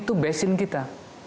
itu basin kita